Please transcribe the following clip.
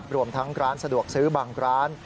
รวมทั้งร้านสะดวกซื้อบางร้าน